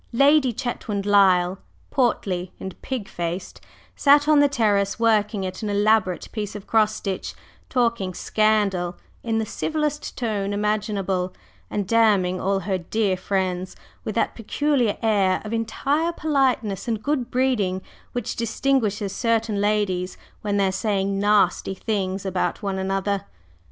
Lady Chetwynd Lyle, portly and pig faced, sat on the terrace working at an elaborate piece of cross stitch, talking scandal in the civilest tone imaginable, and damning all her "dear friends" with that peculiar air of entire politeness and good breeding which distinguishes certain ladies when they are saying nasty things about one another.